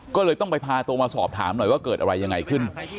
ก็เลยต้องไปพาตัวมาสอบถามหน่อยว่าเกิดอะไรยังไงขึ้น